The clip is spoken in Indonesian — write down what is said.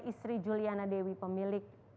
istri juliana dewi pemilik